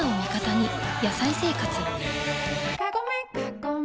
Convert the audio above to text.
「野菜生活」